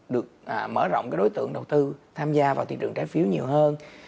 được mở rộng đối tượng đầu tư tham gia vào thị trường trái phiếu nhiều hơn